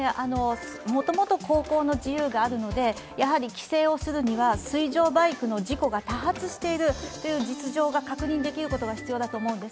もともと、航行の自由があるのでやはり規制をするには水上バイクの事故が多発しているという実情が確認できることが必要だと思うんです。